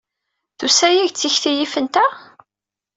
Tusa-yak-d tekti yifen ta?